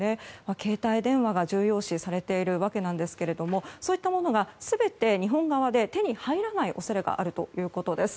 携帯電話が重要視されているわけですがそういったものが全て日本側で手に入らない恐れがあるということです。